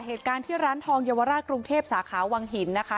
เหตุการณ์ที่ร้านทองเยาวราชกรุงเทพสาขาวังหินนะคะ